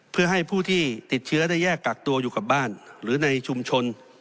เพื่อให้ผู้ที่ติดเชื้อได้แยกกักตัวอยู่กับบ้านหรือในชุมชน